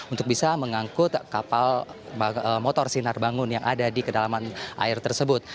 untuk bisa mengangkut kapal motor sinar bangun yang ada di kedalaman air tersebut